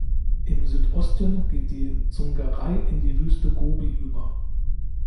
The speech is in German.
Im Südosten geht die Dsungarei in die Wüste Gobi über.